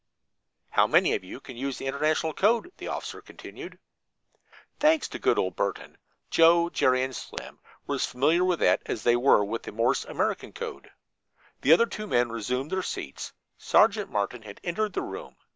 "How many of you can use the international code?" the officer continued. Thanks to good old Burton, Joe, Jerry and Slim were as familiar with that as they were with the Morse American code. The other two men resumed their seats. Sergeant Martin had entered the room.